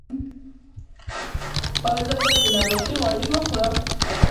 ایا زه باید د نباتي غوړي وخورم؟